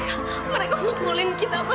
saya takut mereka ngumpulin kita pak